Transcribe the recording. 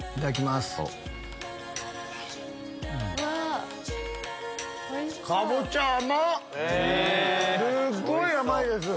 すっごい甘いです。